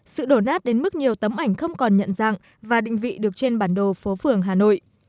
sự đổ nát đến mức nhiều tấm ảnh không còn nhận dạng và định vị được trên bản đồ phố phường hà nội